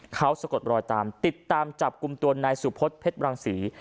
เขาสะกดรอยตามติดตามจับกลุ่มตัวนายสุพศเพชรบรังศรี